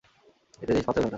একটা জিনিস মাথায় এলো হঠাৎ।